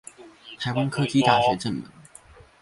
臺灣科技大學正門